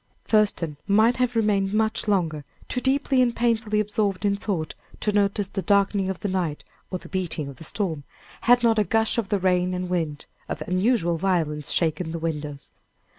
Thurston might have remained much longer, too deeply and painfully absorbed in thought to notice the darkening of the night or the beating of the storm, had not a gust of the rain and wind, of unusual violence, shaken the windows.